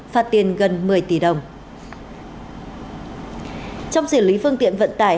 phạt tiền gần một mươi tỷ đồng trong xử lý phương tiện vận tải